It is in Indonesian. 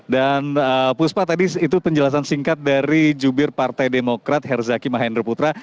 dan puspa tadi itu penjelasan singkat dari jubir partai demokrat herzaki mahendra putra